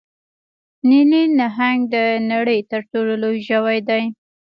نیلي نهنګ د نړۍ تر ټولو لوی ژوی دی